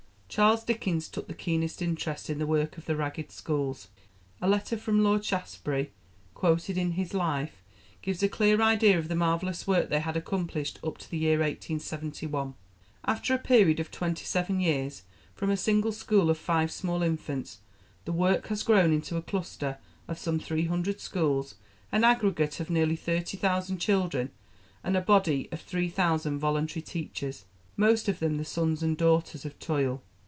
Charles Dickens took the keenest interest in the work of the Ragged Schools. A letter from Lord Shaftesbury quoted in his Life gives a clear idea of the marvellous work they had accomplished up to the year 1871: "After a period of 27 years, from a single school of five small infants, the work has grown into a cluster of some 300 schools, an aggregate of nearly 30,000 children, and a body of 3000 voluntary teachers, most of them the sons and daughters of toil.